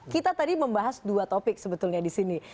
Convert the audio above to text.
kita tadi membahas dua topik sebetulnya disini